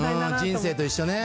人生と一緒ね。